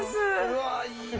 うわー、いいな。